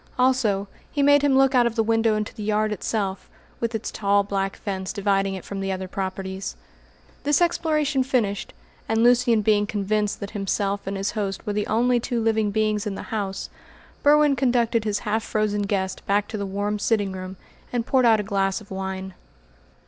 Also, he made him look out of the window into the yard itself, with its tall black fence dividing it from the other properties. This exploration finished, and Lucian being convinced that himself and his host were the only two living beings in the house, Berwin conducted his half frozen guest back to the warm sitting room and poured out a glass of wine.